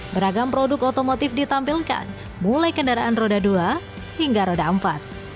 beragam produk otomotif ditampilkan mulai kendaraan roda dua hingga roda empat